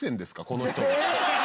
この人。